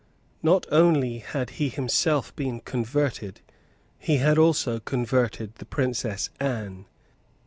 Not only had he been himself converted; he had also converted the Princess Anne.